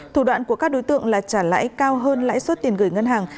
thủ đoạn của các đối tượng là trả lãi cao hơn lãi suất tiền gửi ngân hàng